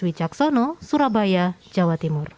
wijaksono surabaya jawa timur